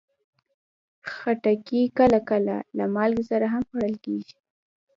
خټکی کله کله له مالګې سره هم خوړل کېږي.